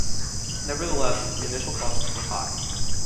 Neverthless, the initial costs were high.